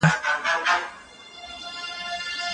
تصمیم باید ناسم نه وي.